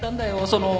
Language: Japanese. その。